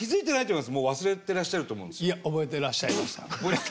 いや覚えてらっしゃいました。